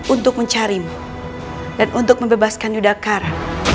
untuk mencarimu dan untuk membebaskan yudakar